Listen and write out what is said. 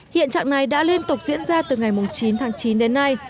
hiện trạng này đã liên tục diễn ra từ ngày chín tháng chín đến nay